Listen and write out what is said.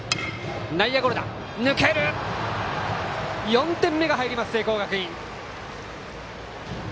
４点目が入ります、聖光学院。